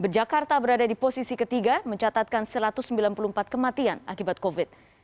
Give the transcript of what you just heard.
jakarta berada di posisi ketiga mencatatkan satu ratus sembilan puluh empat kematian akibat covid